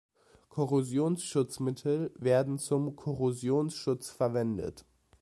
Korrosionsschutzmittel werden zum Korrosionsschutz verwendet.